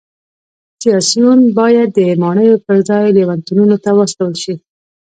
سیاسیون باید د ماڼیو پرځای لېونتونونو ته واستول شي